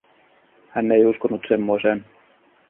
Hän ei uskonut semmoiseen.